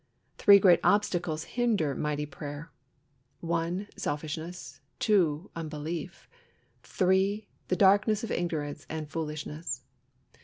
Three great obstacles hinder mighty prayer: 1. selfishness; 2, unbelief; 3, the darkness of ignorance and foolishness.